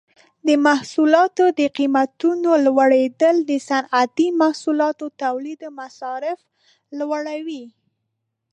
د محصولاتو د قیمتونو لوړیدل د صنعتي محصولاتو تولید مصارف لوړوي.